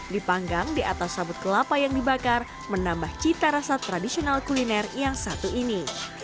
dipanggang di atas sabut kelapa yang dibakar menambah cita rasa tradisional kuliner yang satu ini